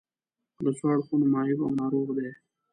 له څو اړخونو معیوب او ناروغ دي.